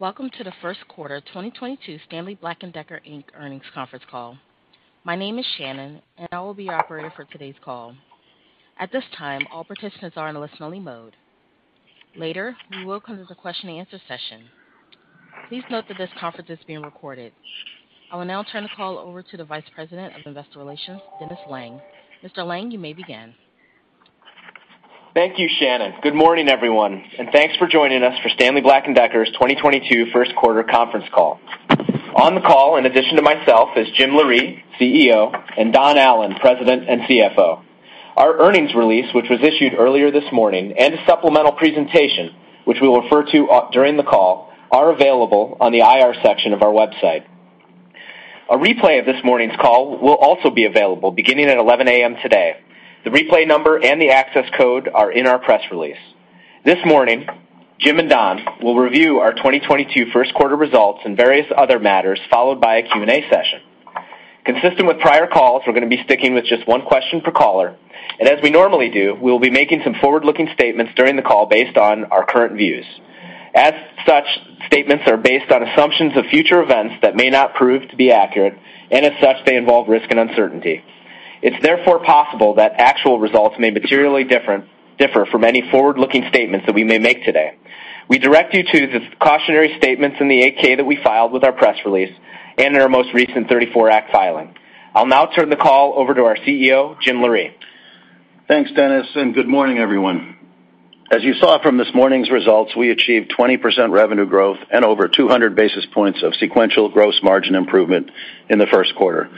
Welcome to the first quarter 2022 Stanley Black & Decker, Inc. earnings conference call. My name is Shannon and I will be your operator for today's call. At this time, all participants are in listen-only mode. Later, we will come to the question and answer session. Please note that this conference is being recorded. I will now turn the call over to the Vice President of Investor Relations, Dennis Lange. Mr. Lange, you may begin. Thank you, Shannon. Good morning, everyone, and thanks for joining us for Stanley Black & Decker's 2022 first quarter conference call. On the call, in addition to myself, is James Loree, CEO, and Donald Allan, President and CFO. Our earnings release, which was issued earlier this morning, and a supplemental presentation, which we'll refer to during the call, are available on the IR section of our website. A replay of this morning's call will also be available beginning at 11 A.M. today. The replay number and the access code are in our press release. This morning, James and Donald will review our 2022 first quarter results and various other matters, followed by a Q&A session. Consistent with prior calls, we're gonna be sticking with just one question per caller, and as we normally do, we'll be making some forward-looking statements during the call based on our current views. As such, statements are based on assumptions of future events that may not prove to be accurate, and as such, they involve risk and uncertainty. It's therefore possible that actual results may materially differ from any forward-looking statements that we may make today. We direct you to the cautionary statements in the 8-K that we filed with our press release and in our most recent '34 Act filing. I'll now turn the call over to our CEO, James Loree. Thanks, Dennis, and good morning, everyone. As you saw from this morning's results, we achieved 20% revenue growth and over 200 basis points of sequential gross margin improvement in the first quarter.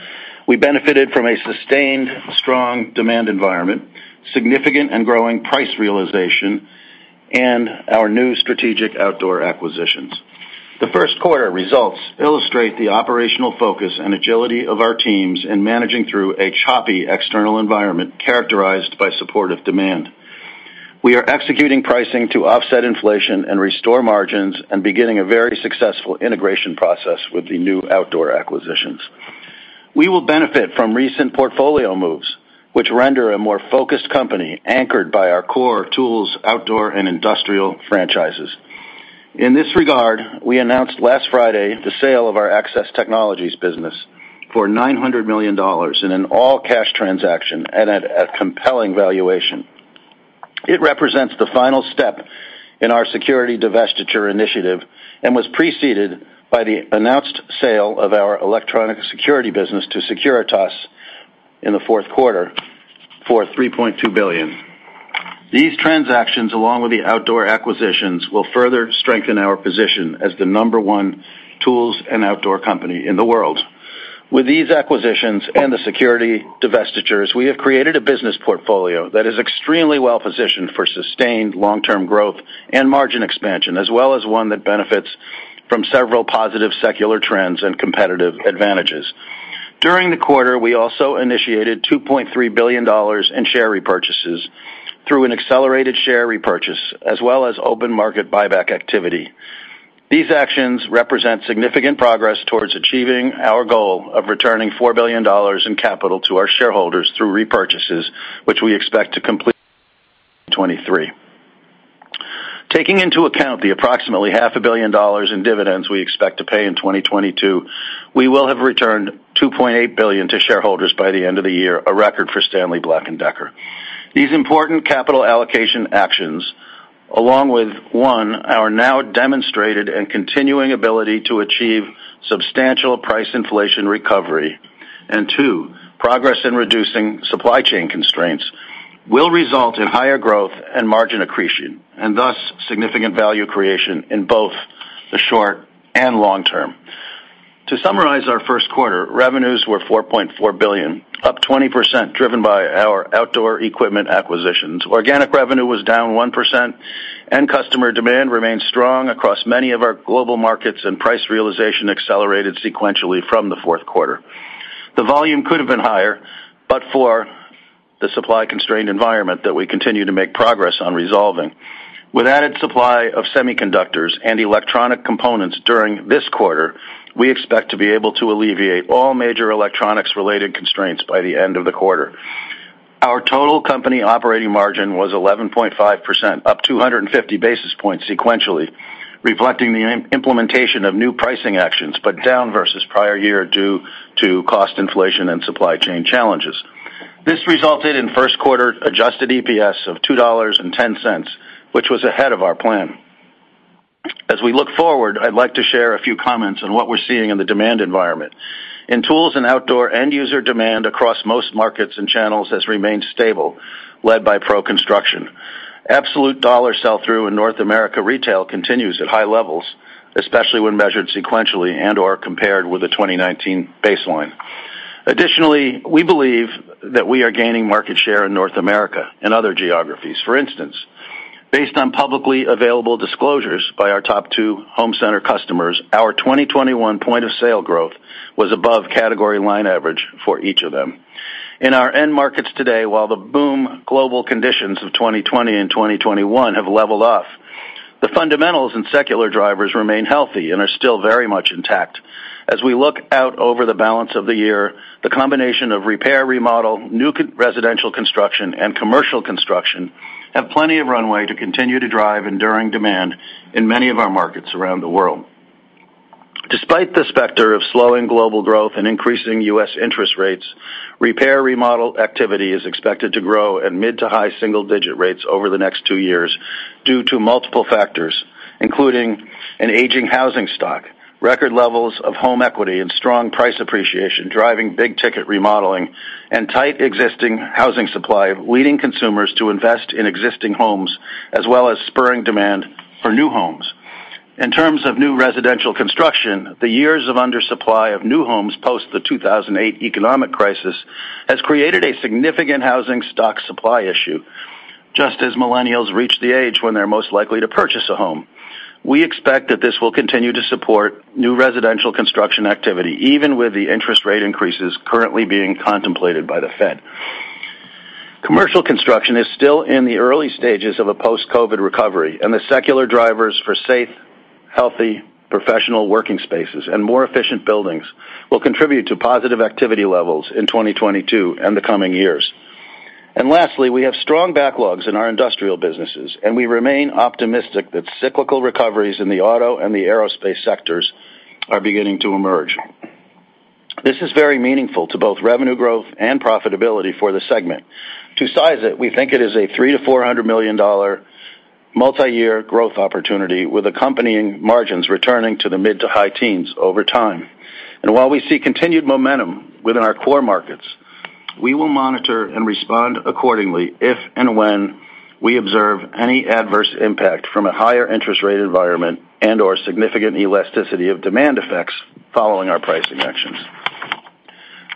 We benefited from a sustained strong demand environment, significant and growing price realization, and our new strategic outdoor acquisitions. The first quarter results illustrate the operational focus and agility of our teams in managing through a choppy external environment characterized by supportive demand. We are executing pricing to offset inflation and restore margins and beginning a very successful integration process with the new outdoor acquisitions. We will benefit from recent portfolio moves, which render a more focused company anchored by our core tools, outdoor, and industrial franchises. In this regard, we announced last Friday the sale of our Access Technologies business for $900 million in an all-cash transaction and at a compelling valuation. It represents the final step in our security divestiture initiative and was preceded by the announced sale of our electronic Security Business to Securitas in the fourth quarter for $3.2 billion. These transactions, along with the outdoor acquisitions, will further strengthen our position as the number one tools and outdoor company in the world. With these acquisitions and the security divestitures, we have created a business portfolio that is extremely well positioned for sustained long-term growth and margin expansion, as well as one that benefits from several positive secular trends and competitive advantages. During the quarter, we also initiated $2.3 billion in share repurchases through an accelerated share repurchase, as well as open market buyback activity. These actions represent significant progress towards achieving our goal of returning $4 billion in capital to our shareholders through repurchases, which we expect to complete 2023. Taking into account the approximately half a billion dollars in dividends we expect to pay in 2022, we will have returned $2.8 billion to shareholders by the end of the year, a record for Stanley Black & Decker. These important capital allocation actions, along with, one, our now demonstrated and continuing ability to achieve substantial price inflation recovery, and two, progress in reducing supply chain constraints, will result in higher growth and margin accretion, and thus significant value creation in both the short and long term. To summarize, our first quarter revenues were $4.4 billion, up 20%, driven by our outdoor equipment acquisitions. Organic revenue was down 1% and customer demand remained strong across many of our global markets, and price realization accelerated sequentially from the fourth quarter. The volume could have been higher, but for the supply constrained environment that we continue to make progress on resolving. With added supply of semiconductors and electronic components during this quarter, we expect to be able to alleviate all major electronics related constraints by the end of the quarter. Our total company operating margin was 11.5%, up 250 basis points sequentially, reflecting the implementation of new pricing actions, but down versus prior year due to cost inflation and supply chain challenges. This resulted in first quarter adjusted EPS of $2.10, which was ahead of our plan. As we look forward, I'd like to share a few comments on what we're seeing in the demand environment. In tools and outdoor, end user demand across most markets and channels has remained stable, led by pro construction. Absolute dollar sell through in North America retail continues at high levels, especially when measured sequentially and/or compared with the 2019 baseline. Additionally, we believe that we are gaining market share in North America and other geographies. For instance, based on publicly available disclosures by our top two home center customers, our 2021 point of sale growth was above category line average for each of them. In our end markets today, while the boom global conditions of 2020 and 2021 have leveled off, the fundamentals and secular drivers remain healthy and are still very much intact. As we look out over the balance of the year, the combination of repair, remodel, residential construction, and commercial construction have plenty of runway to continue to drive enduring demand in many of our markets around the world. Despite the specter of slowing global growth and increasing U.S. interest rates, repair and remodel activity is expected to grow at mid- to high-single-digit rates over the next two years due to multiple factors, including an aging housing stock, record levels of home equity and strong price appreciation, driving big-ticket remodeling and tight existing housing supply, leading consumers to invest in existing homes as well as spurring demand for new homes. In terms of new residential construction, the years of undersupply of new homes post the 2008 economic crisis has created a significant housing stock supply issue just as millennials reach the age when they're most likely to purchase a home. We expect that this will continue to support new residential construction activity, even with the interest rate increases currently being contemplated by the Fed. Commercial construction is still in the early stages of a post-COVID recovery, and the secular drivers for safe, healthy, professional working spaces and more efficient buildings will contribute to positive activity levels in 2022 and the coming years. Lastly, we have strong backlogs in our industrial businesses, and we remain optimistic that cyclical recoveries in the auto and the aerospace sectors are beginning to emerge. This is very meaningful to both revenue growth and profitability for the segment. To size it, we think it is a $300 million-$400 million multi-year growth opportunity with accompanying margins returning to the mid- to high-teens over time. While we see continued momentum within our core markets, we will monitor and respond accordingly if and when we observe any adverse impact from a higher interest rate environment and/or significant elasticity of demand effects following our pricing actions.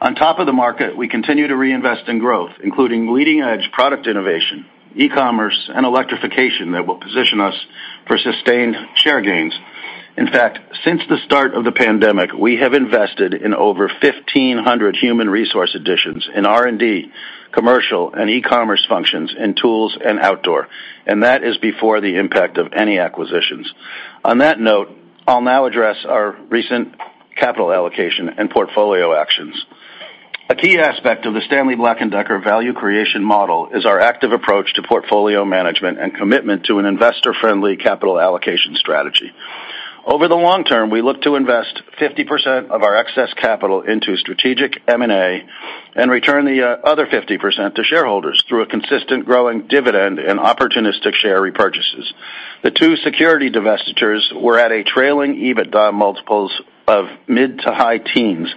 On top of the market, we continue to reinvest in growth, including leading-edge product innovation, e-commerce, and electrification that will position us for sustained share gains. In fact, since the start of the pandemic, we have invested in over 1,500 human resource additions in R&D, commercial, and e-commerce functions in tools and outdoor, and that is before the impact of any acquisitions. On that note, I'll now address our recent capital allocation and portfolio actions. A key aspect of the Stanley Black & Decker value creation model is our active approach to portfolio management and commitment to an investor-friendly capital allocation strategy. Over the long term, we look to invest 50% of our excess capital into strategic M&A and return the other 50% to shareholders through a consistent growing dividend and opportunistic share repurchases. The two security divestitures were at a trailing EBITDA multiple of mid- to high teens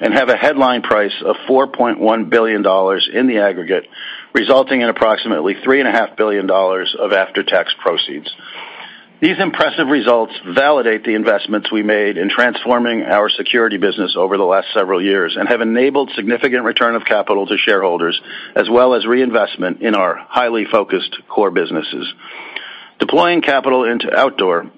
and have a headline price of $4.1 billion in the aggregate, resulting in approximately $3.5 billion of after-tax proceeds. These impressive results validate the investments we made in transforming our security business over the last several years and have enabled significant return of capital to shareholders as well as reinvestment in our highly focused core businesses. Deploying capital into outdoor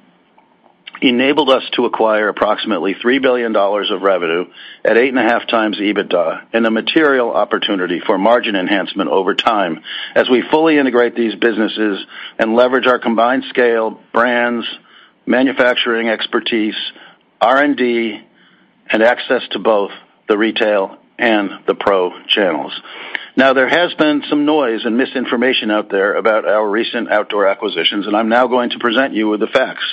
enabled us to acquire approximately $3 billion of revenue at 8.5x EBITDA and a material opportunity for margin enhancement over time as we fully integrate these businesses and leverage our combined scale, brands, manufacturing expertise, R&D, and access to both the retail and the pro channels. Now, there has been some noise and misinformation out there about our recent outdoor acquisitions, and I'm now going to present you with the facts.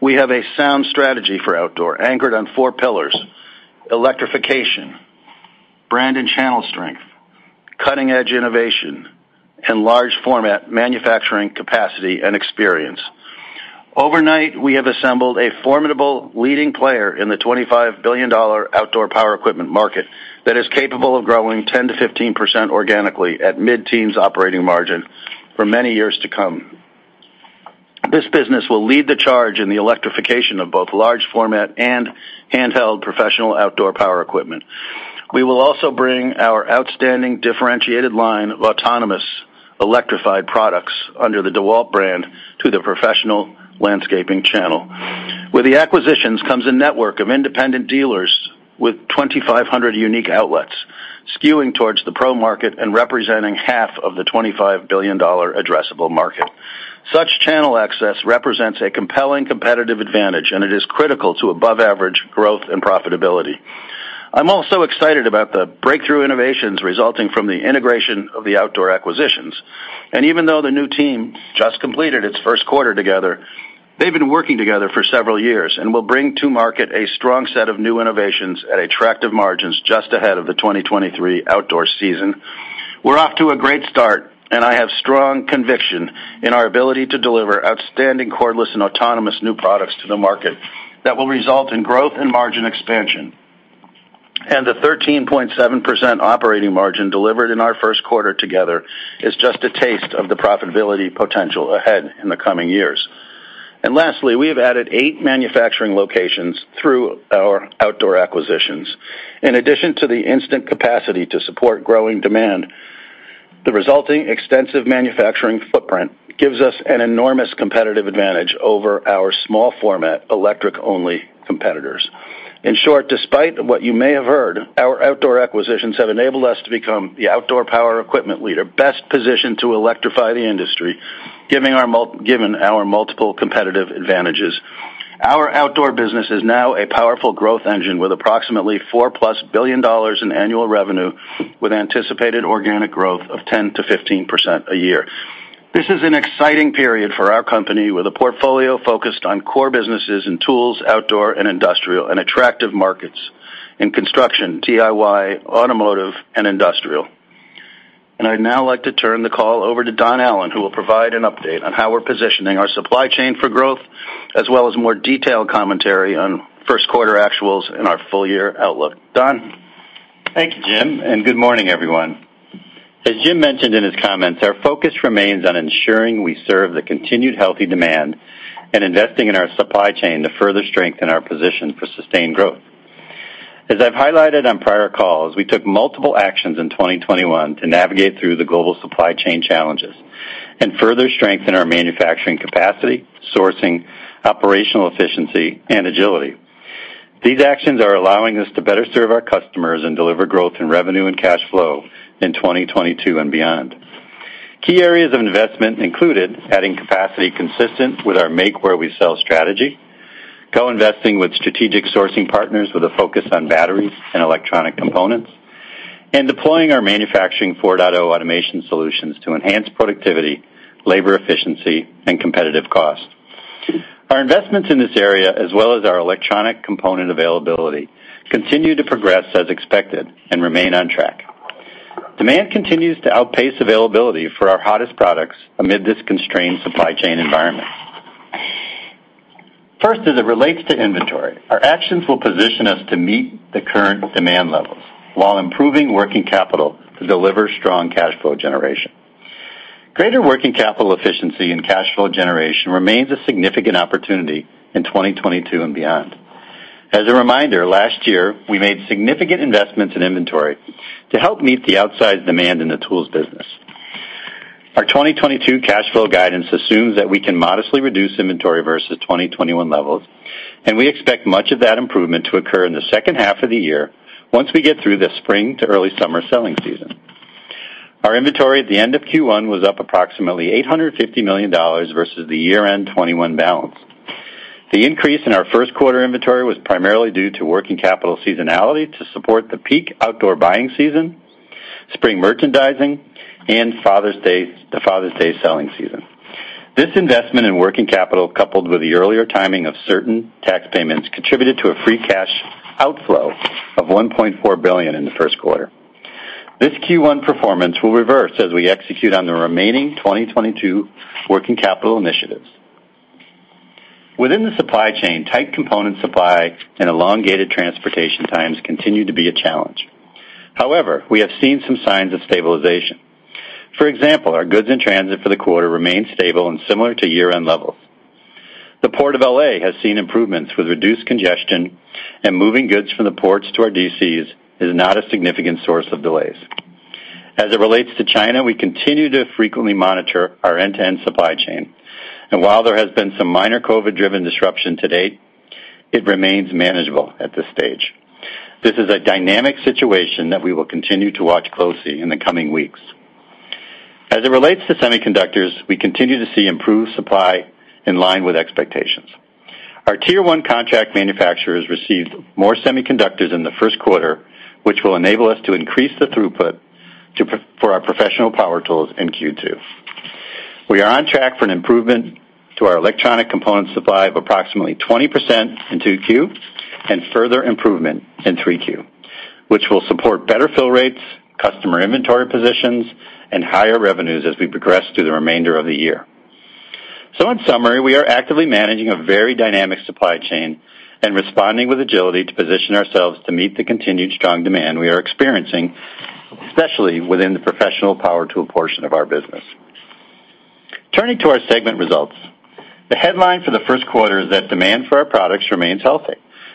We have a sound strategy for outdoor anchored on four pillars: electrification, brand and channel strength, cutting-edge innovation, and large format manufacturing capacity and experience. Overnight, we have assembled a formidable leading player in the $25 billion outdoor power equipment market that is capable of growing 10%-15% organically at mid-teens operating margin for many years to come. This business will lead the charge in the electrification of both large format and handheld professional outdoor power equipment. We will also bring our outstanding differentiated line of autonomous electrified products under the DEWALT brand to the professional landscaping channel. With the acquisitions comes a network of independent dealers with 2,500 unique outlets, skewing towards the pro market and representing half of the $25 billion addressable market. Such channel access represents a compelling competitive advantage, and it is critical to above-average growth and profitability. I'm also excited about the breakthrough innovations resulting from the integration of the outdoor acquisitions. Even though the new team just completed its first quarter together, they've been working together for several years and will bring to market a strong set of new innovations at attractive margins just ahead of the 2023 outdoor season. We're off to a great start, and I have strong conviction in our ability to deliver outstanding cordless and autonomous new products to the market that will result in growth and margin expansion. The 13.7% operating margin delivered in our first quarter together is just a taste of the profitability potential ahead in the coming years. Lastly, we have added eight manufacturing locations through our outdoor acquisitions. In addition to the instant capacity to support growing demand, the resulting extensive manufacturing footprint gives us an enormous competitive advantage over our small format, electric-only competitors. In short, despite what you may have heard, our outdoor acquisitions have enabled us to become the outdoor power equipment leader best positioned to electrify the industry, given our multiple competitive advantages. Our outdoor business is now a powerful growth engine with approximately $4+ billion in annual revenue with anticipated organic growth of 10%-15% a year. This is an exciting period for our company, with a portfolio focused on core businesses and tools, outdoor and industrial, and attractive markets in construction, DIY, automotive, and industrial. I'd now like to turn the call over to Donald Allan, who will provide an update on how we're positioning our supply chain for growth as well as more detailed commentary on first quarter actuals and our full year outlook. Donald? Thank you, James, and good morning, everyone. As James mentioned in his comments, our focus remains on ensuring we serve the continued healthy demand and investing in our supply chain to further strengthen our position for sustained growth. As I've highlighted on prior calls, we took multiple actions in 2021 to navigate through the global supply chain challenges and further strengthen our manufacturing capacity, sourcing, operational efficiency and agility. These actions are allowing us to better serve our customers and deliver growth in revenue and cash flow in 2022 and beyond. Key areas of investment included adding capacity consistent with our make where we sell strategy, co-investing with strategic sourcing partners with a focus on batteries and electronic components, and deploying our Manufacturing 4.0 automation solutions to enhance productivity, labor efficiency and competitive cost. Our investments in this area as well as our electronic component availability continue to progress as expected and remain on track. Demand continues to outpace availability for our hottest products amid this constrained supply chain environment. First, as it relates to inventory, our actions will position us to meet the current demand levels while improving working capital to deliver strong cash flow generation. Greater working capital efficiency and cash flow generation remains a significant opportunity in 2022 and beyond. As a reminder, last year we made significant investments in inventory to help meet the outsized demand in the tools business. Our 2022 cash flow guidance assumes that we can modestly reduce inventory versus 2021 levels, and we expect much of that improvement to occur in the second half of the year once we get through the spring to early summer selling season. Our inventory at the end of Q1 was up approximately $850 million versus the year-end 2021 balance. The increase in our first quarter inventory was primarily due to working capital seasonality to support the peak outdoor buying season, spring merchandising and the Father's Day selling season. This investment in working capital, coupled with the earlier timing of certain tax payments, contributed to a free cash outflow of $1.4 billion in the first quarter. This Q1 performance will reverse as we execute on the remaining 2022 working capital initiatives. Within the supply chain, tight component supply and elongated transportation times continue to be a challenge. However, we have seen some signs of stabilization. For example, our goods in transit for the quarter remain stable and similar to year-end levels. The Port of L.A. has seen improvements with reduced congestion and moving goods from the ports to our DCs is not a significant source of delays. As it relates to China, we continue to frequently monitor our end-to-end supply chain and while there has been some minor COVID driven disruption to date, it remains manageable at this stage. This is a dynamic situation that we will continue to watch closely in the coming weeks. As it relates to semiconductors, we continue to see improved supply in line with expectations. Our tier one contract manufacturers received more semiconductors in the first quarter, which will enable us to increase the throughput for our professional power tools in Q2. We are on track for an improvement to our electronic component supply of approximately 20% in 2Q and further improvement in 3Q, which will support better fill rates, customer inventory positions and higher revenues as we progress through the remainder of the year. In summary, we are actively managing a very dynamic supply chain and responding with agility to position ourselves to meet the continued strong demand we are experiencing, especially within the professional power tool portion of our business. Turning to our segment results. The headline for the first quarter is that demand for our products remains healthy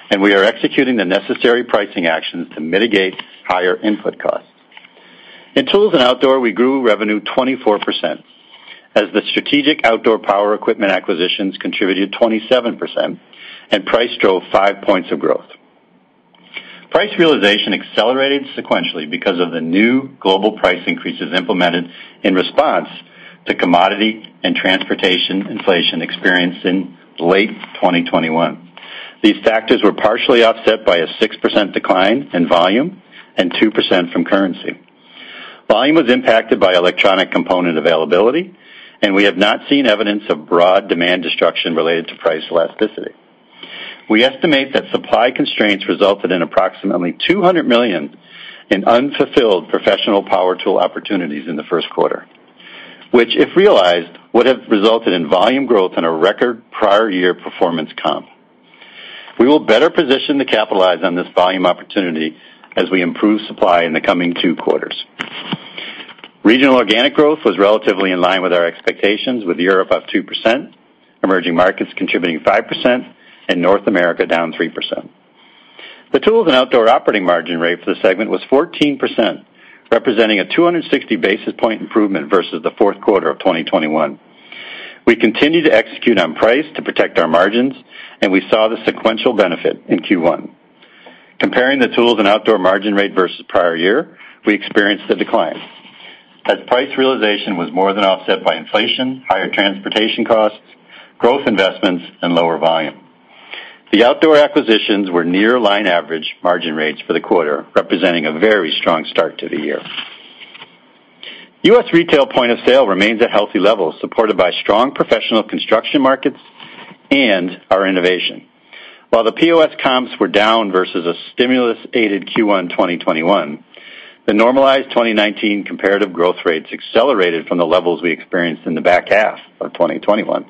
and we are executing the necessary pricing actions to mitigate higher input costs. In tools and outdoor, we grew revenue 24% as the strategic outdoor power equipment acquisitions contributed 27% and price drove five points of growth. Price realization accelerated sequentially because of the new global price increases implemented in response to commodity and transportation inflation experienced in late 2021. These factors were partially offset by a 6% decline in volume and 2% from currency. Volume was impacted by electronic component availability and we have not seen evidence of broad demand destruction related to price elasticity. We estimate that supply constraints resulted in approximately $200 million in unfulfilled professional power tool opportunities in the first quarter, which if realized would have resulted in volume growth and a record prior year performance comp. We will better position to capitalize on this volume opportunity as we improve supply in the coming two quarters. Regional organic growth was relatively in line with our expectations with Europe up 2%, emerging markets contributing 5% and North America down 3%. The tools and outdoor operating margin rate for the segment was 14%, representing a 260 basis point improvement versus the fourth quarter of 2021. We continue to execute on price to protect our margins and we saw the sequential benefit in Q1. Comparing the tools and outdoor margin rate versus prior year, we experienced a decline. As price realization was more than offset by inflation, higher transportation costs, growth investments, and lower volume. The outdoor acquisitions were near line average margin rates for the quarter, representing a very strong start to the year. U.S. retail point of sale remains at healthy levels, supported by strong professional construction markets and our innovation. While the POS comps were down versus a stimulus-aided Q1 2021, the normalized 2019 comparative growth rates accelerated from the levels we experienced in the back half of 2021.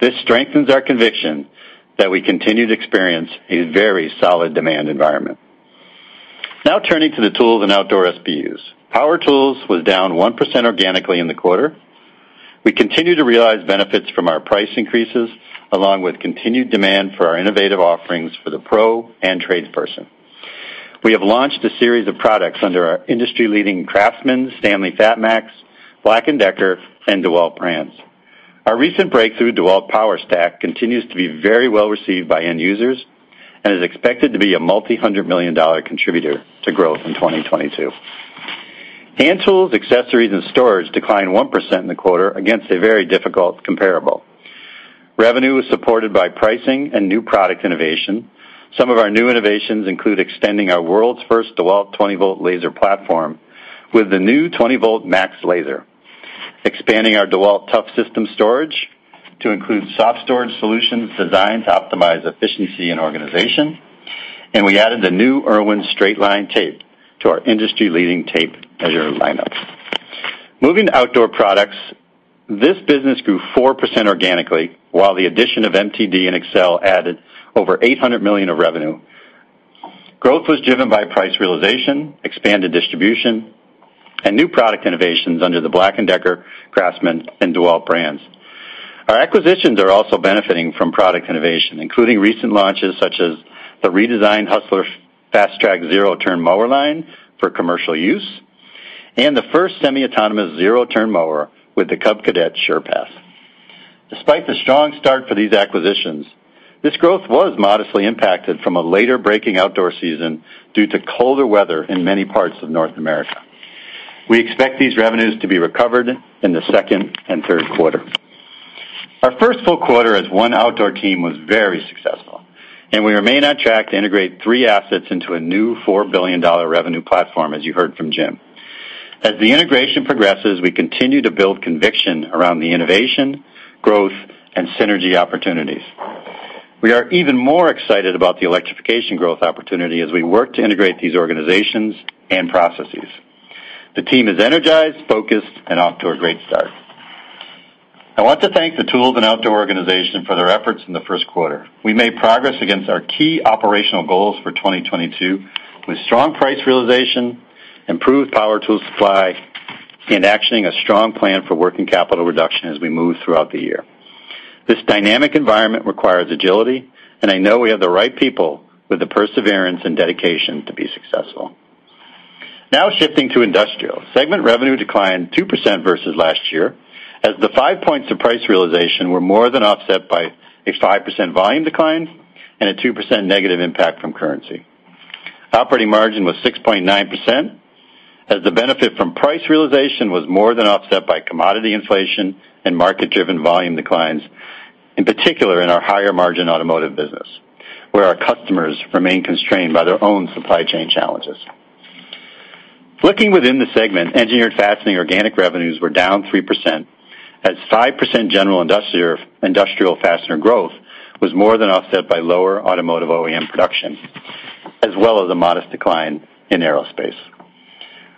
This strengthens our conviction that we continue to experience a very solid demand environment. Now turning to the tools and outdoor SBUs. Power tools was down 1% organically in the quarter. We continue to realize benefits from our price increases, along with continued demand for our innovative offerings for the pro and tradesperson. We have launched a series of products under our industry-leading CRAFTSMAN, STANLEY FATMAX, BLACK+DECKER, and DEWALT brands. Our recent breakthrough, DEWALT POWERSTACK, continues to be very well-received by end users and is expected to be a multi-hundred-million-dollar contributor to growth in 2022. Hand tools, accessories, and storage declined 1% in the quarter against a very difficult comparable. Revenue was supported by pricing and new product innovation. Some of our new innovations include extending our world's first DEWALT 20V laser platform with the new 20V MAX laser, expanding our DEWALT TOUGHSYSTEM storage to include soft storage solutions designed to optimize efficiency and organization. We added the new IRWIN STRAIT-LINE tape to our industry-leading tape measure lineup. Moving to outdoor products, this business grew 4% organically, while the addition of MTD and Excel added over $800 million of revenue. Growth was driven by price realization, expanded distribution, and new product innovations under the BLACK+DECKER, CRAFTSMAN, and DEWALT brands. Our acquisitions are also benefiting from product innovation, including recent launches such as the redesigned Hustler FasTrak zero-turn mower line for commercial use, and the first semi-autonomous zero-turn mower with the Cub Cadet SurePath. Despite the strong start for these acquisitions, this growth was modestly impacted from a later breaking outdoor season due to colder weather in many parts of North America. We expect these revenues to be recovered in the second and third quarter. Our first full quarter as one outdoor team was very successful, and we remain on track to integrate three assets into a new $4 billion revenue platform, as you heard from James. As the integration progresses, we continue to build conviction around the innovation, growth, and synergy opportunities. We are even more excited about the electrification growth opportunity as we work to integrate these organizations and processes. The team is energized, focused, and off to a great start. I want to thank the tools and outdoor organization for their efforts in the first quarter. We made progress against our key operational goals for 2022 with strong price realization, improved power tools supply, and actioning a strong plan for working capital reduction as we move throughout the year. This dynamic environment requires agility, and I know we have the right people with the perseverance and dedication to be successful. Now shifting to industrial. Segment revenue declined 2% versus last year as the five points of price realization were more than offset by a 5% volume decline and a 2% negative impact from currency. Operating margin was 6.9% as the benefit from price realization was more than offset by commodity inflation and market-driven volume declines, in particular in our higher-margin automotive business, where our customers remain constrained by their own supply chain challenges. Looking within the segment, engineered fastening organic revenues were down 3%, as 5% general industrial and industrial fastener growth was more than offset by lower automotive OEM production, as well as a modest decline in aerospace.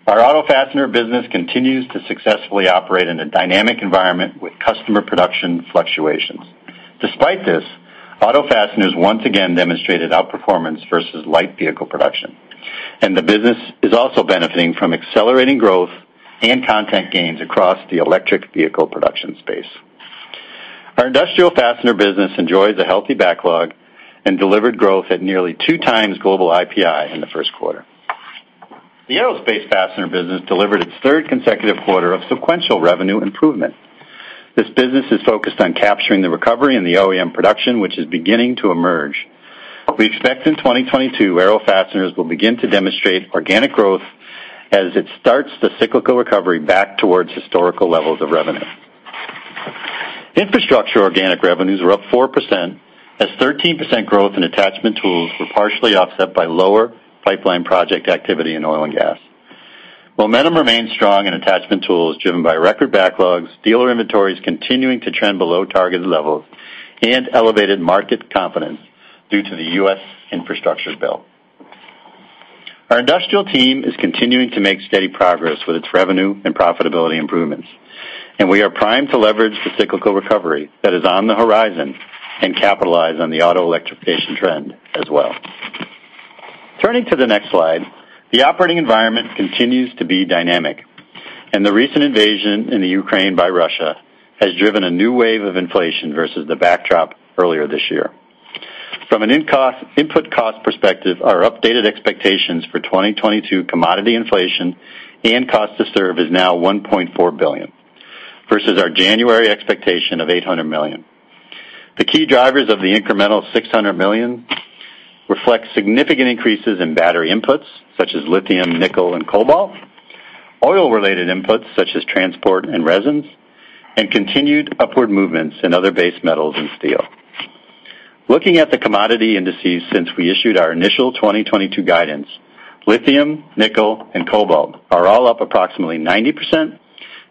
Our auto fastener business continues to successfully operate in a dynamic environment with customer production fluctuations. Despite this, auto fasteners once again demonstrated outperformance versus light vehicle production, and the business is also benefiting from accelerating growth and content gains across the electric vehicle production space. Our industrial fastener business enjoys a healthy backlog and delivered growth at nearly 2x global IPI in the first quarter. The aerospace fastener business delivered its third consecutive quarter of sequential revenue improvement. This business is focused on capturing the recovery in the OEM production, which is beginning to emerge. We expect in 2022, aero fasteners will begin to demonstrate organic growth as it starts the cyclical recovery back towards historical levels of revenue. Infrastructure organic revenues were up 4%, as 13% growth in attachment tools were partially offset by lower pipeline project activity in oil and gas. Momentum remains strong in attachment tools, driven by record backlogs, dealer inventories continuing to trend below targeted levels, and elevated market confidence due to the U.S. infrastructure bill. Our industrial team is continuing to make steady progress with its revenue and profitability improvements, and we are primed to leverage the cyclical recovery that is on the horizon and capitalize on the auto electrification trend as well. Turning to the next slide, the operating environment continues to be dynamic, and the recent invasion in the Ukraine by Russia has driven a new wave of inflation versus the backdrop earlier this year. From an input cost perspective, our updated expectations for 2022 commodity inflation and cost to serve is now $1.4 billion versus our January expectation of $800 million. The key drivers of the incremental $600 million reflect significant increases in battery inputs such as lithium, nickel, and cobalt, oil-related inputs such as transport and resins, and continued upward movements in other base metals and steel. Looking at the commodity indices since we issued our initial 2022 guidance, lithium, nickel and cobalt are all up approximately 90%,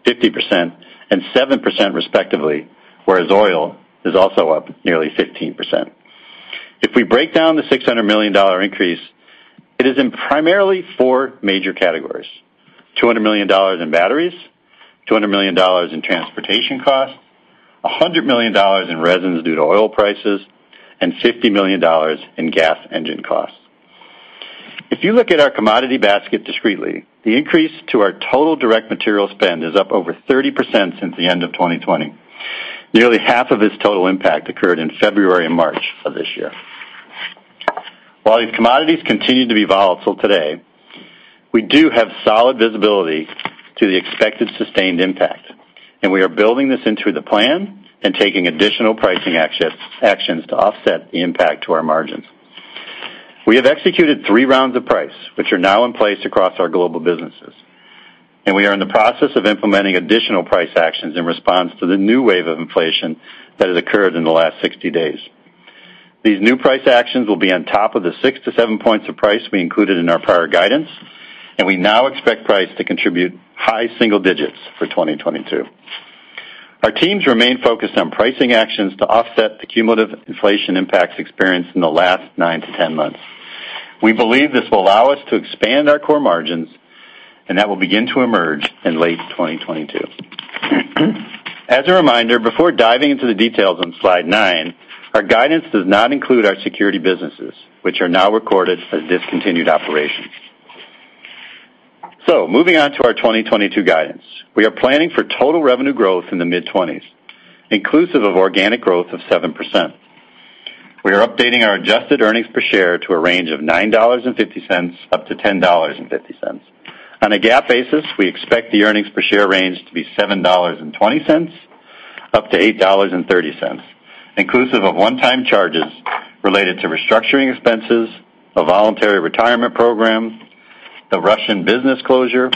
50%, and 7% respectively, whereas oil is also up nearly 15%. If we break down the $600 million increase, it is in primarily four major categories, $200 million in batteries, $200 million in transportation costs, $100 million in resins due to oil prices, and $50 million in gas engine costs. If you look at our commodity basket discretely, the increase to our total direct material spend is up over 30% since the end of 2020. Nearly half of this total impact occurred in February and March of this year. While these commodities continue to be volatile today, we do have solid visibility to the expected sustained impact, and we are building this into the plan and taking additional pricing actions to offset the impact to our margins. We have executed three rounds of price, which are now in place across our global businesses, and we are in the process of implementing additional price actions in response to the new wave of inflation that has occurred in the last 60 days. These new price actions will be on top of the six-seven points of price we included in our prior guidance, and we now expect price to contribute high single digits for 2022. Our teams remain focused on pricing actions to offset the cumulative inflation impacts experienced in the last 9-10 months. We believe this will allow us to expand our core margins, and that will begin to emerge in late 2022. As a reminder, before diving into the details on slide nine, our guidance does not include our security businesses, which are now recorded as discontinued operations. Moving on to our 2022 guidance. We are planning for total revenue growth in the mid-20s%, inclusive of organic growth of 7%. We are updating our adjusted earnings per share to a range of $9.50-$10.50. On a GAAP basis, we expect the earnings per share range to be $7.20-$8.30, inclusive of one-time charges related to restructuring expenses, a voluntary retirement program, the Russian business closure,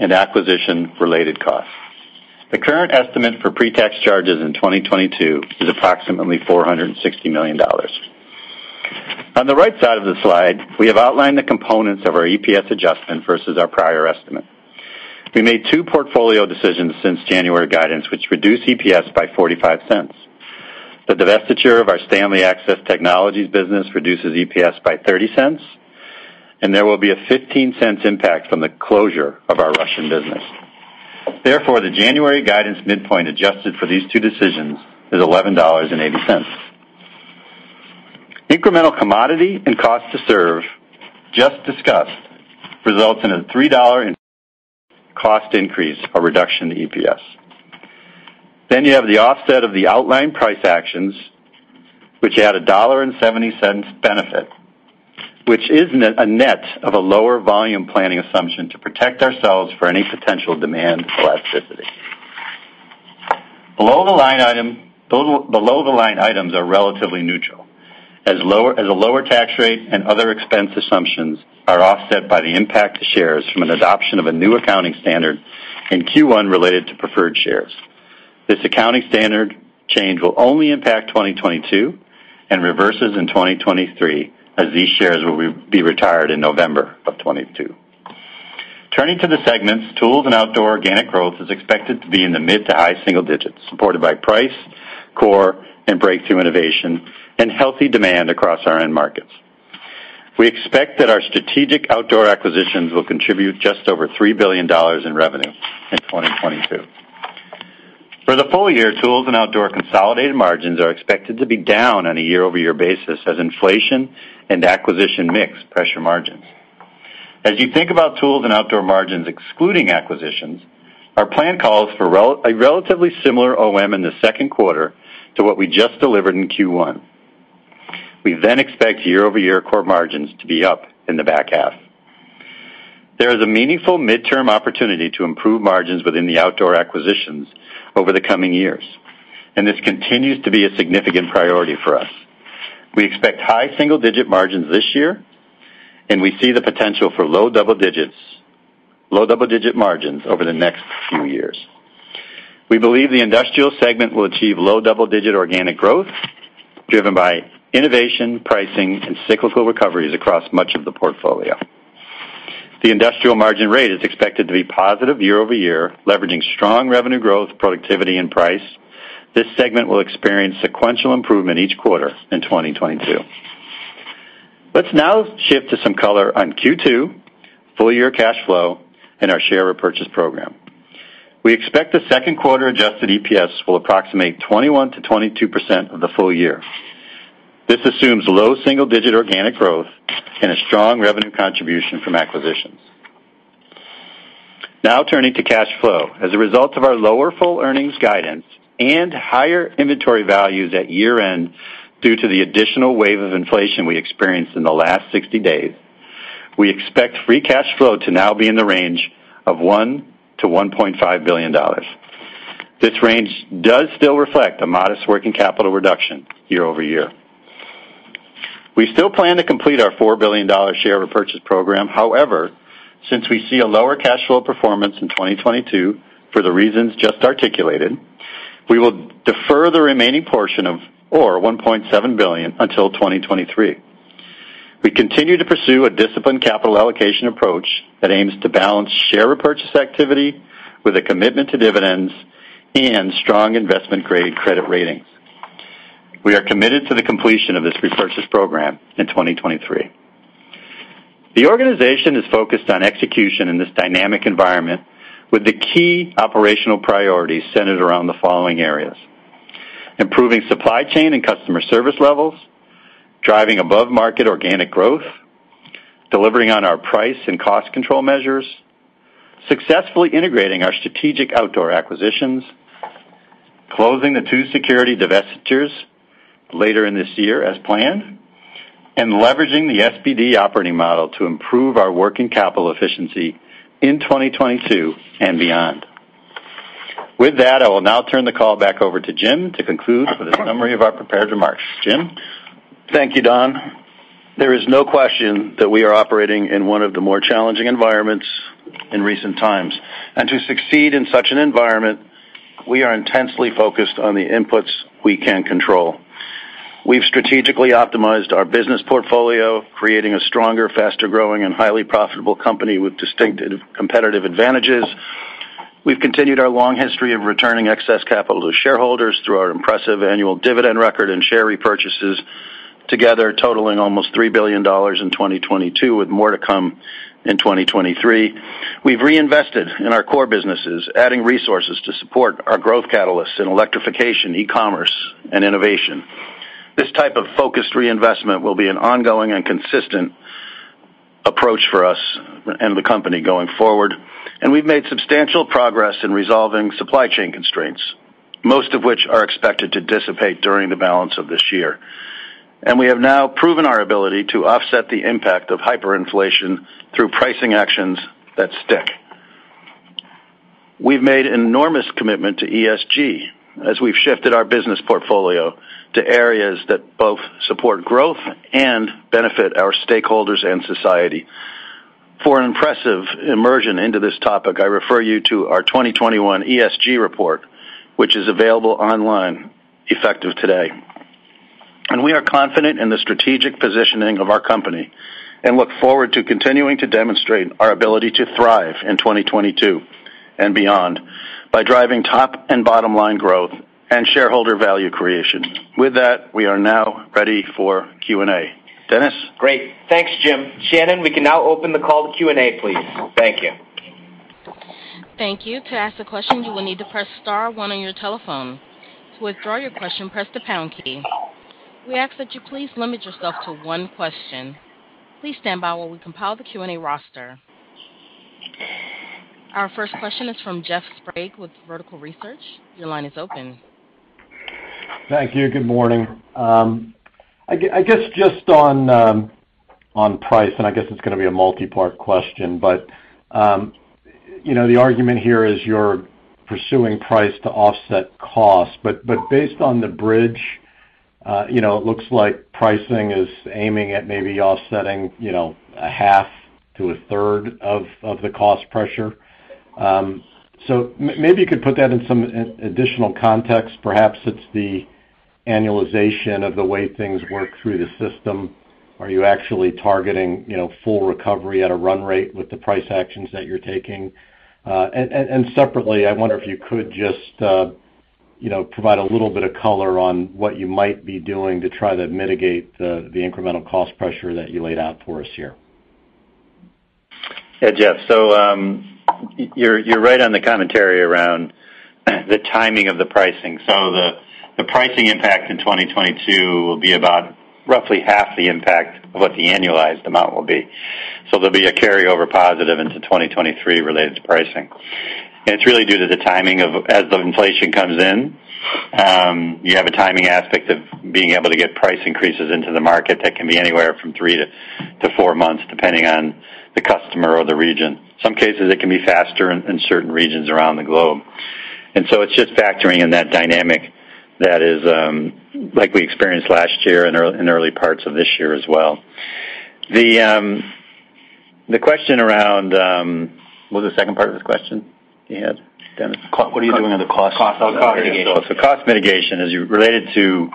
and acquisition-related costs. The current estimate for pre-tax charges in 2022 is approximately $460 million. On the right side of the slide, we have outlined the components of our EPS adjustment versus our prior estimate. We made two portfolio decisions since January guidance, which reduce EPS by $0.45. The divestiture of our STANLEY Access Technologies business reduces EPS by $0.30, and there will be a $0.15 impact from the closure of our Russian business. Therefore, the January guidance midpoint adjusted for these two decisions is $11.80. Incremental commodity and cost to serve, just discussed, results in a $3 cost increase or reduction in EPS. Then you have the offset of the outlined price actions, which add a $1.70 benefit, which is net of a lower volume planning assumption to protect ourselves for any potential demand elasticity. Below the line items are relatively neutral, as a lower tax rate and other expense assumptions are offset by the impact to shares from an adoption of a new accounting standard in Q1 related to preferred shares. This accounting standard change will only impact 2022 and reverses in 2023 as these shares will be retired in November of 2022. Turning to the segments, Tools and Outdoor organic growth is expected to be in the mid- to high-single digits, supported by price, core and breakthrough innovation, and healthy demand across our end markets. We expect that our strategic outdoor acquisitions will contribute just over $3 billion in revenue in 2022. For the full year, Tools and Outdoor consolidated margins are expected to be down on a year-over-year basis as inflation and acquisition mix pressure margins. As you think about Tools and Outdoor margins excluding acquisitions, our plan calls for a relatively similar OM in the second quarter to what we just delivered in Q1. We then expect year-over-year core margins to be up in the back half. There is a meaningful midterm opportunity to improve margins within the outdoor acquisitions over the coming years, and this continues to be a significant priority for us. We expect high single-digit margins this year, and we see the potential for low double-digit margins over the next few years. We believe the Industrial segment will achieve low double-digit organic growth, driven by innovation, pricing, and cyclical recoveries across much of the portfolio. The Industrial margin rate is expected to be positive year-over-year, leveraging strong revenue growth, productivity and price. This segment will experience sequential improvement each quarter in 2022. Let's now shift to some color on Q2, full year cash flow, and our share repurchase program. We expect the second quarter adjusted EPS will approximate 21%-22% of the full year. This assumes low single digit organic growth and a strong revenue contribution from acquisitions. Now turning to cash flow. As a result of our lower full earnings guidance and higher inventory values at year-end due to the additional wave of inflation we experienced in the last 60 days. We expect free cash flow to now be in the range of $1-$1.5 billion. This range does still reflect a modest working capital reduction year-over-year. We still plan to complete our $4 billion share repurchase program. However, since we see a lower cash flow performance in 2022 for the reasons just articulated, we will defer the remaining portion of our $1.7 billion until 2023. We continue to pursue a disciplined capital allocation approach that aims to balance share repurchase activity with a commitment to dividends and strong investment-grade credit ratings. We are committed to the completion of this repurchase program in 2023. The organization is focused on execution in this dynamic environment with the key operational priorities centered around the following areas. Improving supply chain and customer service levels, driving above-market organic growth, delivering on our price and cost control measures, successfully integrating our strategic outdoor acquisitions, closing the two security divestitures later in this year as planned, and leveraging the SBD Operating Model to improve our working capital efficiency in 2022 and beyond. With that, I will now turn the call back over to James to conclude with a summary of our prepared remarks. James? Thank you, Donald. There is no question that we are operating in one of the more challenging environments in recent times. To succeed in such an environment, we are intensely focused on the inputs we can control. We've strategically optimized our business portfolio, creating a stronger, faster-growing, and highly profitable company with distinctive competitive advantages. We've continued our long history of returning excess capital to shareholders through our impressive annual dividend record and share repurchases together totaling almost $3 billion in 2022, with more to come in 2023. We've reinvested in our core businesses, adding resources to support our growth catalysts in electrification, e-commerce, and innovation. This type of focused reinvestment will be an ongoing and consistent approach for us and the company going forward, and we've made substantial progress in resolving supply chain constraints, most of which are expected to dissipate during the balance of this year. We have now proven our ability to offset the impact of hyperinflation through pricing actions that stick. We've made enormous commitment to ESG as we've shifted our business portfolio to areas that both support growth and benefit our stakeholders and society. For an impressive immersion into this topic, I refer you to our 2021 ESG report, which is available online effective today. We are confident in the strategic positioning of our company and look forward to continuing to demonstrate our ability to thrive in 2022 and beyond by driving top and bottom line growth and shareholder value creation. With that, we are now ready for Q&A. Dennis? Great. Thanks, James. Shannon, we can now open the call to Q&A, please. Thank you. Thank you. To ask a question, you will need to press star one on your telephone. To withdraw your question, press the pound key. We ask that you please limit yourself to one question. Please stand by while we compile the Q&A roster. Our first question is from Jeff Sprague with Vertical Research Partners. Your line is open. Thank you. Good morning. I guess just on price, and I guess it's gonna be a multipart question, but you know, the argument here is you're pursuing price to offset cost. Based on the bridge, you know, it looks like pricing is aiming at maybe offsetting, you know, a half to a third of the cost pressure. Maybe you could put that in some additional context. Perhaps it's the annualization of the way things work through the system. Are you actually targeting, you know, full recovery at a run rate with the price actions that you're taking? Separately, I wonder if you could just, you know, provide a little bit of color on what you might be doing to try to mitigate the incremental cost pressure that you laid out for us here. Yeah, Jeff. You're right on the commentary around the timing of the pricing. The pricing impact in 2022 will be about roughly half the impact of what the annualized amount will be. There'll be a carryover positive into 2023 related to pricing. It's really due to the timing of as the inflation comes in, you have a timing aspect of being able to get price increases into the market that can be anywhere from three to four months, depending on the customer or the region. Some cases it can be faster in certain regions around the globe. It's just factoring in that dynamic that is like we experienced last year in early parts of this year as well. The question around. What was the second part of the question you had, Dennis? What are you doing on the cost mitigation? Cost mitigation as related to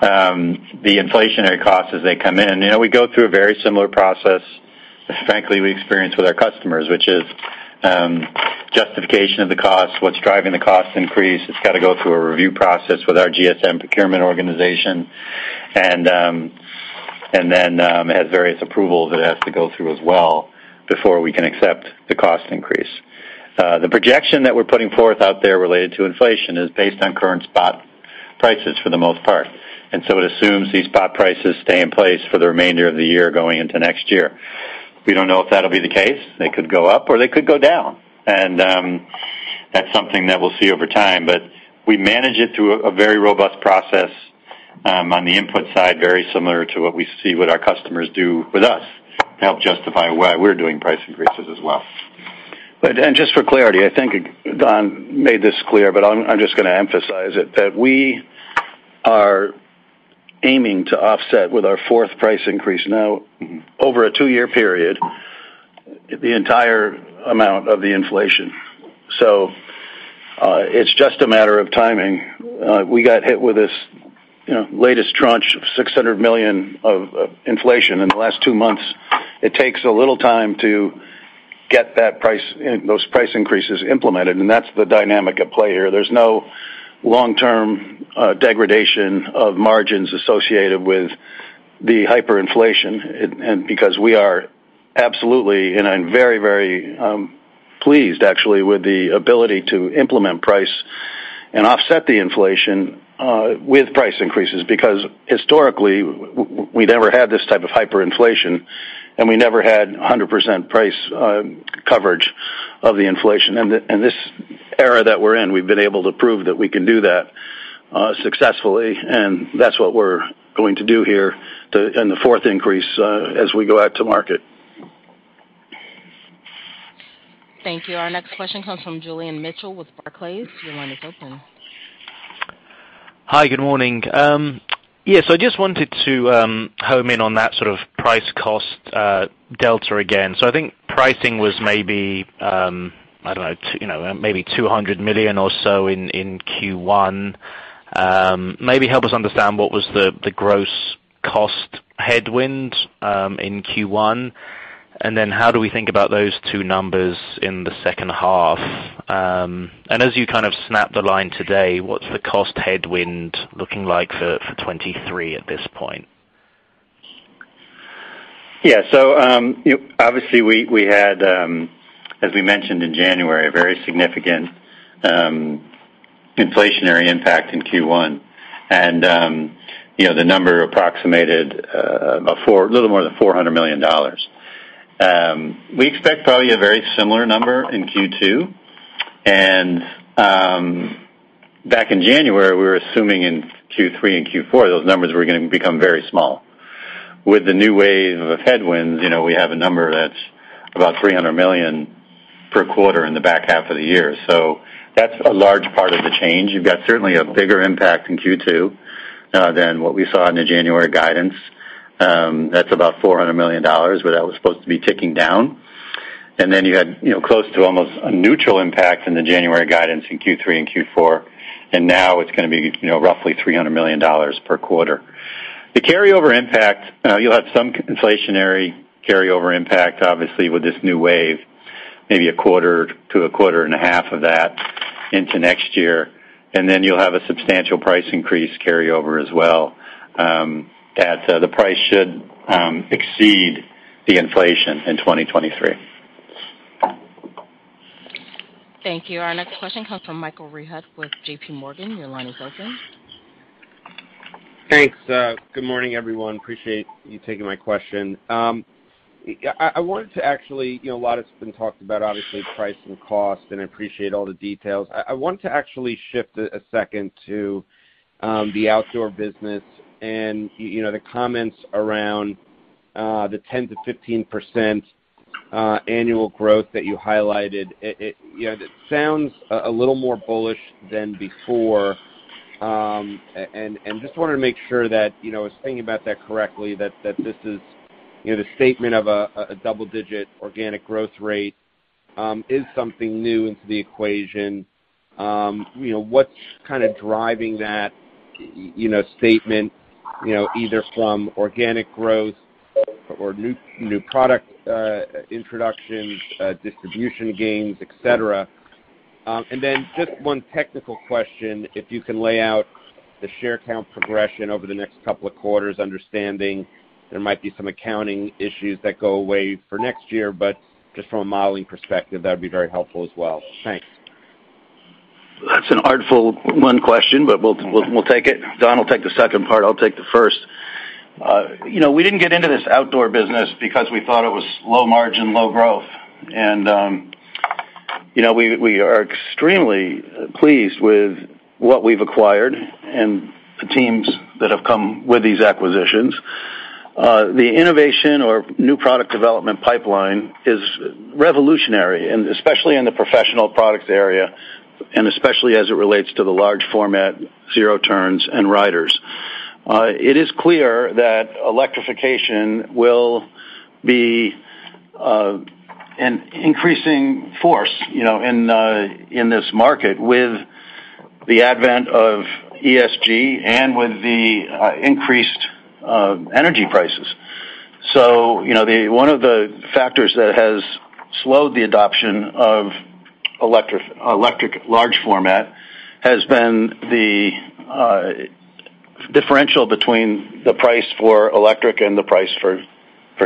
the inflationary costs as they come in. You know, we go through a very similar process as frankly we experience with our customers, which is justification of the cost, what's driving the cost increase. It's gotta go through a review process with our GSM procurement organization and then it has various approvals it has to go through as well before we can accept the cost increase. The projection that we're putting forth out there related to inflation is based on current spot prices for the most part. It assumes these spot prices stay in place for the remainder of the year going into next year. We don't know if that'll be the case. They could go up, or they could go down. That's something that we'll see over time, but we manage it through a very robust process. On the input side, very similar to what we see our customers do with us to help justify why we're doing price increases as well. Just for clarity, I think Donald made this clear, but I'm just gonna emphasize it, that we are aiming to offset with our fourth price increase now over a two-year period, the entire amount of the inflation. It's just a matter of timing. We got hit with this, you know, latest tranche of $600 million of inflation in the last two months. It takes a little time to get that price, those price increases implemented, and that's the dynamic at play here. There's no long-term degradation of margins associated with the hyperinflation. Because we are absolutely, and I'm very, very pleased actually with the ability to implement price and offset the inflation with price increases. Because historically, we never had this type of hyperinflation, and we never had 100% price coverage of the inflation. This era that we're in, we've been able to prove that we can do that successfully, and that's what we're going to do here in the fourth increase as we go out to market. Thank you. Our next question comes from Julian Mitchell with Barclays. Your line is open. Hi, good morning. Yes, I just wanted to hone in on that sort of price cost delta again. I think pricing was maybe, I don't know, you know, maybe $200 million or so in Q1. Maybe help us understand what was the gross cost headwind in Q1, and then how do we think about those two numbers in the second half? As you kind of snap the line today, what's the cost headwind looking like for 2023 at this point? Yeah. Obviously we had, as we mentioned in January, a very significant inflationary impact in Q1. You know, the number approximated a little more than $400 million. We expect probably a very similar number in Q2. Back in January, we were assuming in Q3 and Q4, those numbers were gonna become very small. With the new wave of headwinds, you know, we have a number that's about $300 million per quarter in the back half of the year. That's a large part of the change. You've got certainly a bigger impact in Q2 than what we saw in the January guidance. That's about $400 million, where that was supposed to be ticking down. Then you had, you know, close to almost a neutral impact in the January guidance in Q3 and Q4, and now it's gonna be, you know, roughly $300 million per quarter. The carryover impact, you'll have some inflationary carryover impact, obviously with this new wave, maybe a quarter to a quarter and a half of that into next year. Then you'll have a substantial price increase carryover as well, that the price should exceed the inflation in 2023. Thank you. Our next question comes from Michael Rehaut with JPMorgan. Your line is open. Thanks. Good morning, everyone. Appreciate you taking my question. I wanted to actually, you know, a lot has been talked about obviously price and cost, and I appreciate all the details. I want to actually shift a second to the outdoor business and, you know, the comments around the 10%-15% annual growth that you highlighted. You know, that sounds a little more bullish than before. And just wanted to make sure that, you know, I was thinking about that correctly, that this is, you know, the statement of a double-digit organic growth rate is something new into the equation. You know, what's kind of driving that, you know, statement, you know, either from organic growth or new product introductions, distribution gains, et cetera. just one technical question, if you can lay out the share count progression over the next couple of quarters, understanding there might be some accounting issues that go away for next year, but just from a modeling perspective, that would be very helpful as well. Thanks. That's an artful one question, but we'll take it. Donald will take the second part, I'll take the first. You know, we didn't get into this outdoor business because we thought it was low margin, low growth. You know, we are extremely pleased with what we've acquired and the teams that have come with these acquisitions. The innovation or new product development pipeline is revolutionary, and especially in the professional products area, and especially as it relates to the large format zero turns and riders. It is clear that electrification will be an increasing force, you know, in this market with the advent of ESG and with the increased energy prices. One of the factors that has slowed the adoption of electric large format has been the differential between the price for electric and the price for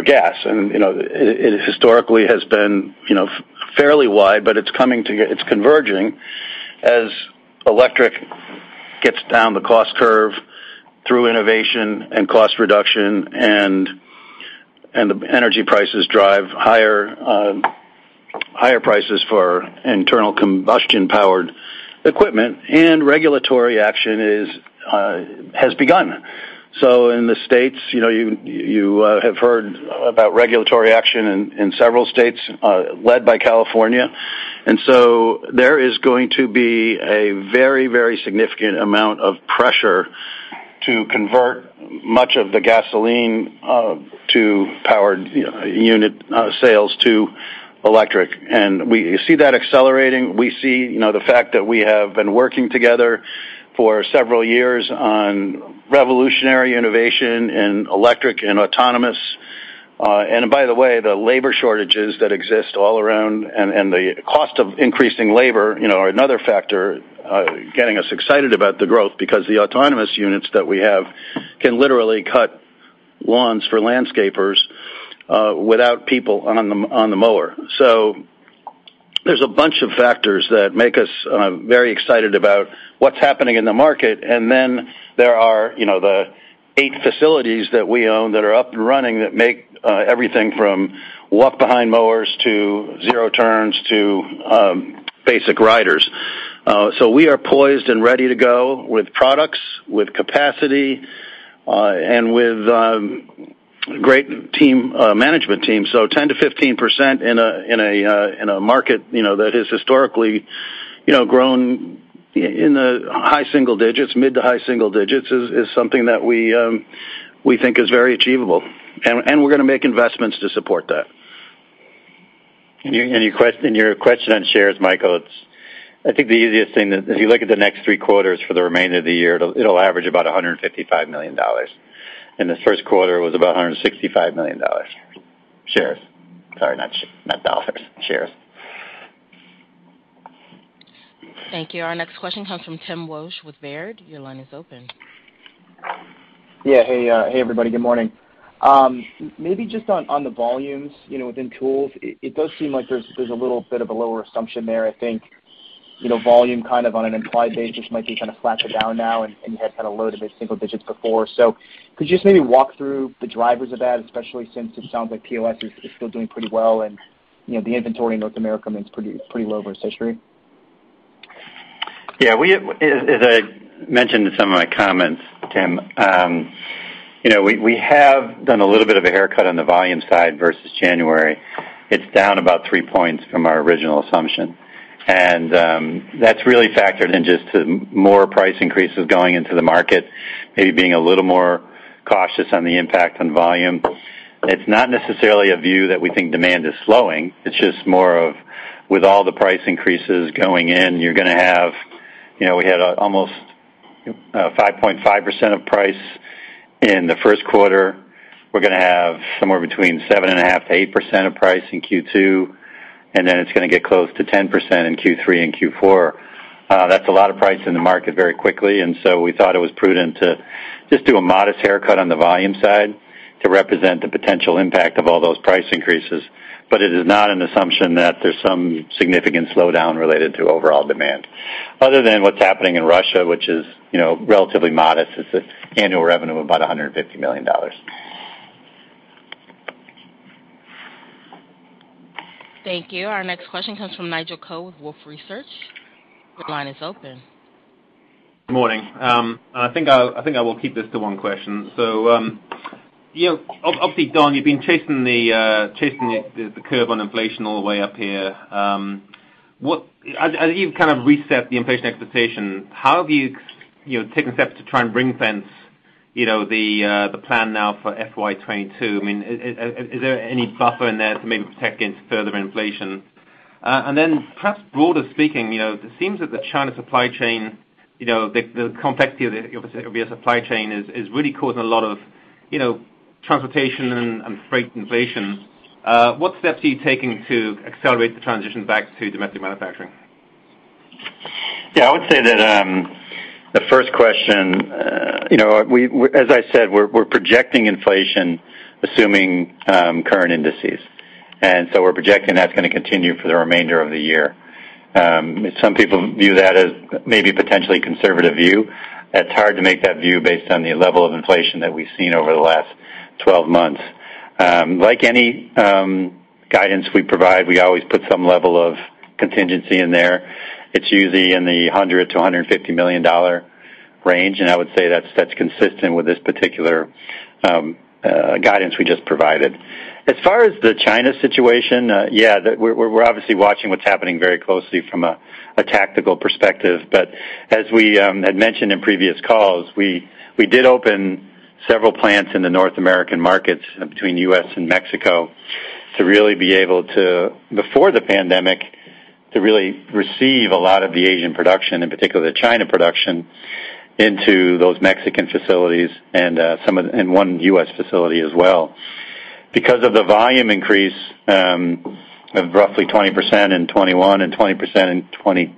gas. You know, it historically has been, you know, fairly wide, but it's converging as electric gets down the cost curve through innovation and cost reduction and the energy prices drive higher prices for internal combustion-powered equipment, and regulatory action has begun. In the States, you know, you have heard about regulatory action in several states, led by California. There is going to be a very significant amount of pressure to convert much of the gasoline-powered, you know, unit sales to electric. We see that accelerating. We see, you know, the fact that we have been working together for several years on revolutionary innovation in electric and autonomous. By the way, the labor shortages that exist all around and the cost of increasing labor, you know, are another factor getting us excited about the growth because the autonomous units that we have can literally cut lawns for landscapers without people on the mower. There's a bunch of factors that make us very excited about what's happening in the market. There are, you know, the eight facilities that we own that are up and running that make everything from walk-behind mowers to zero-turns to basic riders. We are poised and ready to go with products, with capacity, and with great team management team. 10%-15% in a market, you know, that has historically, you know, grown in the high single digits, mid to high single digits is something that we think is very achievable. We're gonna make investments to support that. Your question on shares, Michael, it's, I think the easiest thing is if you look at the next three quarters for the remainder of the year, it'll average about 155 million shares. In the first quarter, it was about 165 million shares. Shares. Sorry, not dollars, shares. Thank you. Our next question comes from Tim Wojs with Baird. Your line is open. Yeah. Hey, everybody. Good morning. Maybe just on the volumes, you know, within tools, it does seem like there's a little bit of a lower assumption there, I think. You know, volume kind of on an implied basis might be kind of flat to down now, and you had kind of low to mid-single digits before. Could you just maybe walk through the drivers of that, especially since it sounds like POS is still doing pretty well and, you know, the inventory in North America remains pretty low versus history? As I mentioned in some of my comments, Tim, you know, we have done a little bit of a haircut on the volume side versus January. It's down about three points from our original assumption. That's really factored in just to more price increases going into the market, maybe being a little more cautious on the impact on volume. It's not necessarily a view that we think demand is slowing. It's just more of, with all the price increases going in, you're gonna have. You know, we had almost 5.5% of price in the first quarter. We're gonna have somewhere between 7.5%-8% of price in Q2, and then it's gonna get close to 10% in Q3 and Q4. That's a lot of price in the market very quickly, and so we thought it was prudent to just do a modest haircut on the volume side to represent the potential impact of all those price increases. It is not an assumption that there's some significant slowdown related to overall demand. Other than what's happening in Russia, which is, you know, relatively modest. It's an annual revenue of about $150 million. Thank you. Our next question comes from Nigel Coe with Wolfe Research. Your line is open. Good morning. I think I will keep this to one question. You know, obviously, Donald, you've been chasing the curve on inflation all the way up here. As you've kind of reset the inflation expectation, how have you taken steps to try and ring-fence the plan now for FY 2022? I mean, is there any buffer in there to maybe protect against further inflation? Then perhaps broader speaking, you know, it seems that the China supply chain, you know, the complexity of the supply chain is really causing a lot of transportation and freight inflation. What steps are you taking to accelerate the transition back to domestic manufacturing? I would say that, the first question, you know, As I said, we're projecting inflation, assuming, current indices. We're projecting that's gonna continue for the remainder of the year. Some people view that as maybe potentially conservative view. It's hard to make that view based on the level of inflation that we've seen over the last 12 months. Like any guidance we provide, we always put some level of contingency in there. It's usually in the $100-$150 million dollar range, and I would say that's consistent with this particular guidance we just provided. As far as the China situation, We're obviously watching what's happening very closely from a tactical perspective. As we had mentioned in previous calls, we did open several plants in the North American markets between U.S. and Mexico to really be able to, before the pandemic, to really receive a lot of the Asian production, in particular the China production, into those Mexican facilities and one U.S. facility as well. Because of the volume increase of roughly 20% in 2021 and 20% in 2020, you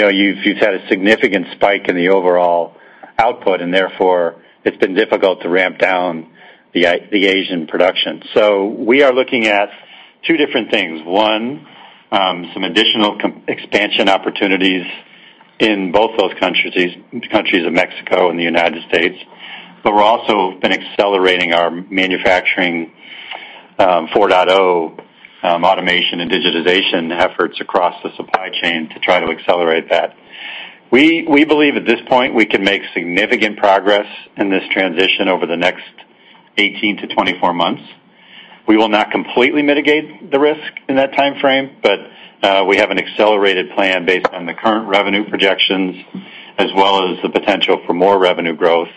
know, you have had a significant spike in the overall output, and therefore it has been difficult to ramp down the Asian production. We are looking at two different things. One, some additional expansion opportunities in both those countries of Mexico and the United States. We've also been accelerating our Manufacturing 4.0 automation and digitization efforts across the supply chain to try to accelerate that. We believe at this point we can make significant progress in this transition over the next 18-24 months. We will not completely mitigate the risk in that timeframe, but we have an accelerated plan based on the current revenue projections as well as the potential for more revenue growth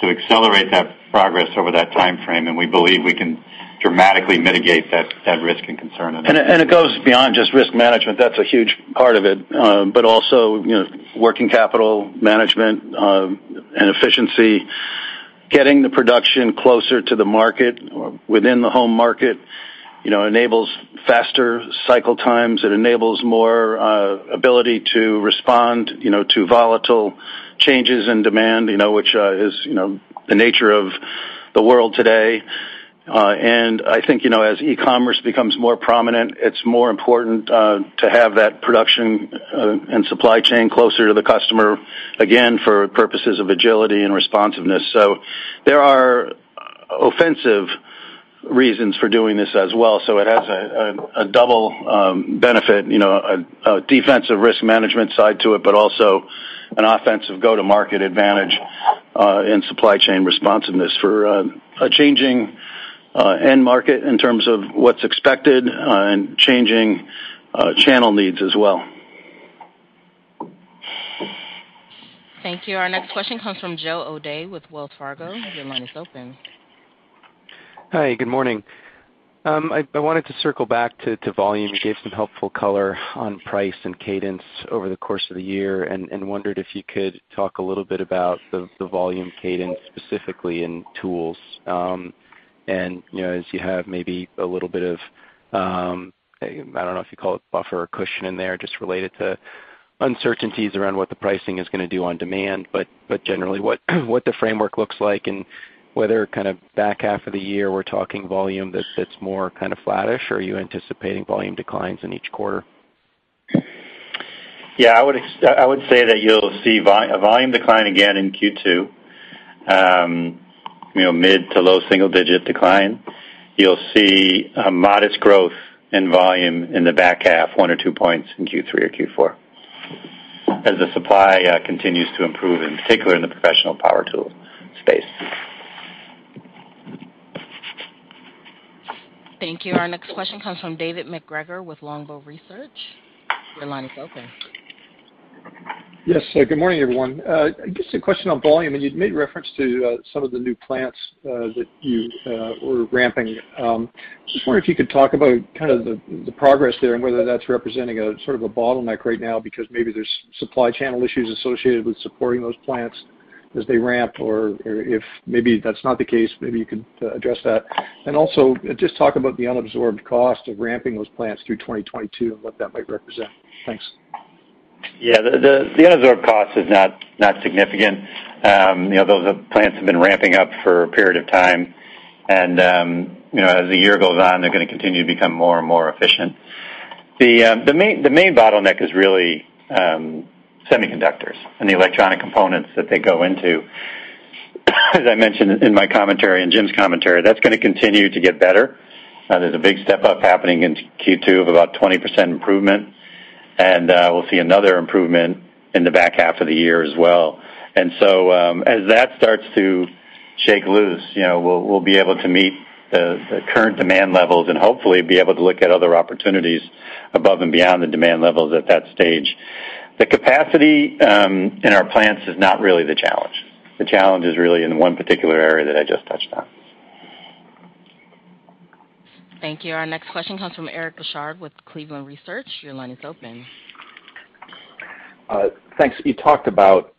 to accelerate that progress over that timeframe, and we believe we can dramatically mitigate that risk and concern. It goes beyond just risk management. That's a huge part of it. Also, you know, working capital management and efficiency. Getting the production closer to the market or within the home market, you know, enables faster cycle times. It enables more ability to respond, you know, to volatile changes in demand, you know, which is, you know, the nature of the world today. I think, you know, as e-commerce becomes more prominent, it's more important to have that production and supply chain closer to the customer, again, for purposes of agility and responsiveness. There are offensive reasons for doing this as well. It has a double benefit, you know, a defensive risk management side to it, but also an offensive go-to-market advantage in supply chain responsiveness for a changing end market in terms of what's expected and changing channel needs as well. Thank you. Our next question comes from Joe O'Dea with Wells Fargo. Your line is open. Hi, good morning. I wanted to circle back to volume. You gave some helpful color on price and cadence over the course of the year, and wondered if you could talk a little bit about the volume cadence specifically in tools. You know, as you have maybe a little bit of, I don't know if you call it buffer or cushion in there, just related to uncertainties around what the pricing is gonna do on demand. Generally, what the framework looks like and whether kind of back half of the year we're talking volume that's more kind of flattish, or are you anticipating volume declines in each quarter? Yeah, I would say that you'll see a volume decline again in Q2. You know, mid- to low-single-digit decline. You'll see a modest growth in volume in the back half, one or two points in Q3 or Q4 as the supply continues to improve, in particular in the professional power tool space. Thank you. Our next question comes from David MacGregor with Longbow Research. Your line is open. Yes. Good morning, everyone. Just a question on volume. I mean, you'd made reference to some of the new plants that you were ramping. Just wonder if you could talk about kind of the progress there and whether that's representing a sort of a bottleneck right now because maybe there's supply chain issues associated with supporting those plants as they ramp, or if maybe that's not the case, maybe you could address that. Also, just talk about the unabsorbed cost of ramping those plants through 2022 and what that might represent. Thanks. Yeah, the unabsorbed cost is not significant. You know, those plants have been ramping up for a period of time, and you know, as the year goes on, they're gonna continue to become more and more efficient. The main bottleneck is really semiconductors and the electronic components that they go into. As I mentioned in my commentary, in James's commentary, that's gonna continue to get better. There's a big step-up happening in Q2 of about 20% improvement, and we'll see another improvement in the back half of the year as well. As that starts to shake loose, you know, we'll be able to meet the current demand levels and hopefully be able to look at other opportunities above and beyond the demand levels at that stage. The capacity in our plants is not really the challenge. The challenge is really in the one particular area that I just touched on. Thank you. Our next question comes from Eric Bosshard with Cleveland Research. Your line is open. Thanks. You talked about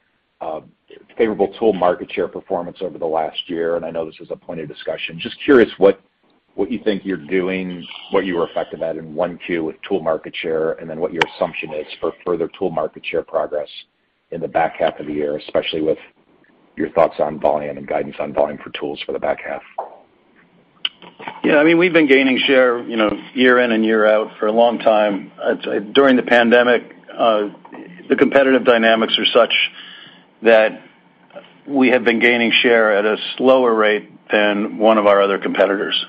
favorable tool market share performance over the last year, and I know this was a point of discussion. Just curious what you think you're doing, what you were effective at in 1Q with tool market share, and then what your assumption is for further tool market share progress in the back half of the year, especially with your thoughts on volume and guidance on volume for tools for the back half? Yeah, I mean, we've been gaining share, you know, year in and year out for a long time. I'd say during the pandemic, the competitive dynamics are such that we have been gaining share at a slower rate than one of our other competitors.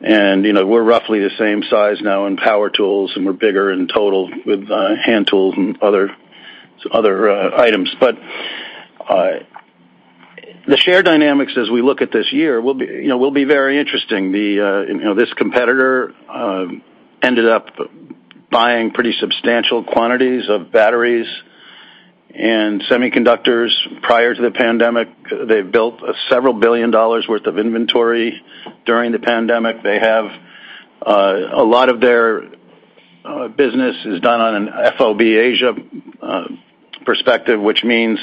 You know, we're roughly the same size now in power tools, and we're bigger in total with hand tools and other items. The share dynamics as we look at this year will be, you know, will be very interesting. You know, this competitor ended up buying pretty substantial quantities of batteries and semiconductors prior to the pandemic. They've built several billion dollars worth of inventory during the pandemic. They have a lot of their business is done on an FOB Asia perspective, which means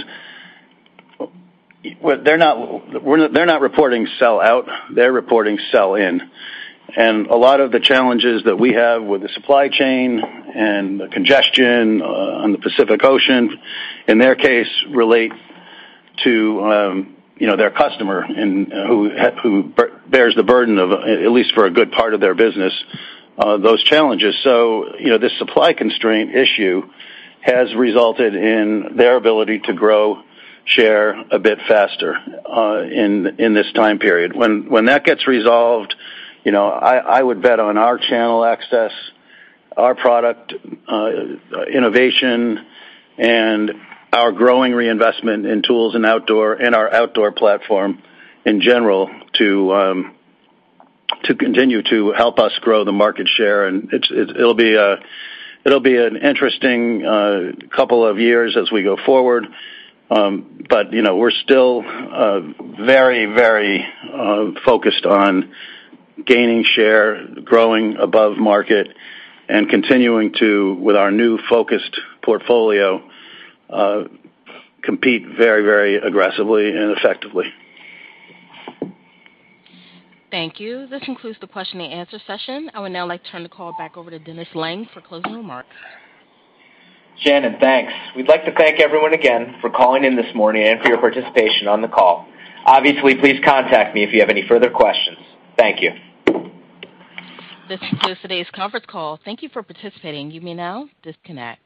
they're not reporting sell out, they're reporting sell in. A lot of the challenges that we have with the supply chain and the congestion on the Pacific Ocean, in their case, relate to you know their customer and who bears the burden of, at least for a good part of their business, those challenges. You know this supply constraint issue has resulted in their ability to grow share a bit faster in this time period. When that gets resolved, you know, I would bet on our channel access, our product innovation, and our growing reinvestment in tools and outdoor, in our outdoor platform in general to continue to help us grow the market share. It'll be an interesting couple of years as we go forward. You know, we're still very focused on gaining share, growing above market, and continuing to, with our new focused portfolio, compete very aggressively and effectively. Thank you. This concludes the question and answer session. I would now like to turn the call back over to Dennis Lange for closing remarks. Shannon, thanks. We'd like to thank everyone again for calling in this morning and for your participation on the call. Obviously, please contact me if you have any further questions. Thank you. This concludes today's conference call. Thank you for participating. You may now disconnect.